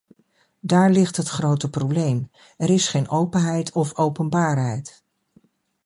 Daar ligt het grote probleem - er is geen openheid of openbaarheid.